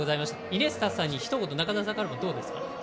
イニエスタさんにひと言中澤さんからもどうですか。